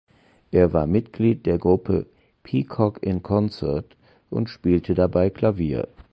Er war Mitglied der Gruppe „Peacock in Concert“ und spielte dabei Klavier.